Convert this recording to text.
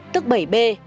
tức bảy bê